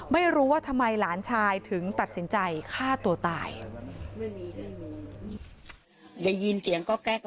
ไม่รู้ว่าทำไมหลานชายถึงตัดสินใจฆ่าตัวตาย